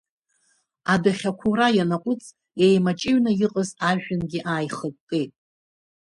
Адәахьы ақәаура ианаҟәыҵ, еимаҷыҩны иҟаз ажәҩангьы ааихыккеит.